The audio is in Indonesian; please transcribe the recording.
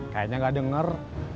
kayaknya gak denger